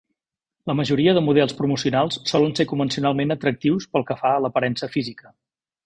La majoria de models promocionals solen ser convencionalment atractius pel que fa a l'aparença física.